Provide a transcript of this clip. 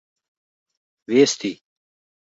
Vesti